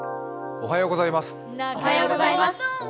おはようございます。